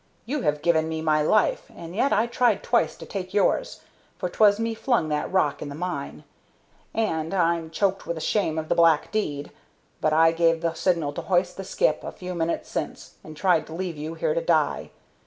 You have given me my life, and yet I tried twice to take yours, for 'twas me flung that rock in the mine. And I'm choked with the shame of the black deed but I gave the signal to hoist the skip a few minutes since, and tried to leave you here to die.